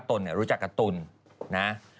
ตุลเนี่ยรู้จักกับตุลนะ